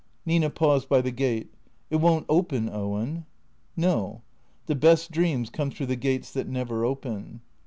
Nina paused by the gate. " It won't open, Owen," " No. The best dreams come through the gates that never open."